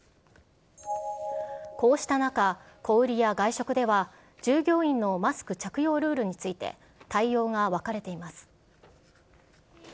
こうした中、小売りや外食では、従業員のマスク着用ルールについて、対応が分かれています。